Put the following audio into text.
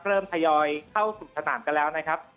เริ่มพยายอยเข้าสุดสนามกันแล้วนะครับ